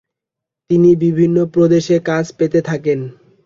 তিনি বিভিন্ন প্রদেশে কাজ পেতে থাকেন।